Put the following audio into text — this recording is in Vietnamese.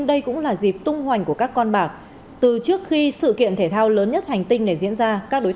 đang tích cực thực hiện đề án không xác